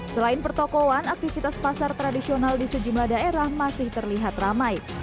selain pertokohan aktivitas pasar tradisional di sejumlah daerah masih terlihat ramai